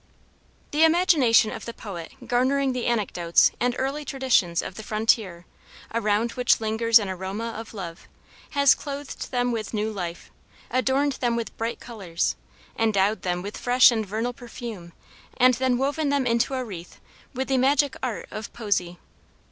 The imagination of the poet garnering the anecdotes and early traditions of the frontier around which lingers an aroma of love, has clothed them with new life, adorned them with bright colors, endowed them with fresh and vernal perfume and then woven them into a wreath with the magic art of poesy.